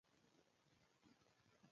ميرويس نيکه ځان ور ورساوه.